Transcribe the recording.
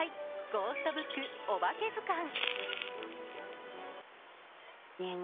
「ゴーストブックおばけずかん」。